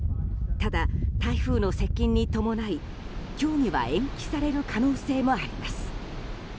ただ台風の接近に伴い、競技は延期される可能性もあります。